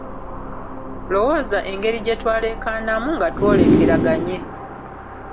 Lowooza engeri gye twaleekaanamu nga twolekeraganye.